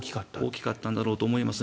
大きかったんだろうと思います。